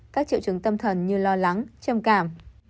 các triệu chứng tâm thần như lo lắng trầm cảm